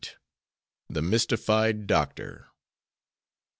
THE MYSTIFIED DOCTOR.